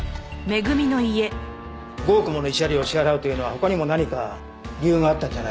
５億もの慰謝料を支払うというのは他にも何か理由があったんじゃないかと思いまして。